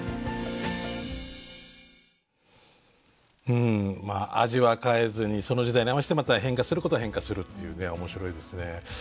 うんまあ味は変えずにその時代に合わせてまた変化することは変化するっていう面白いですね。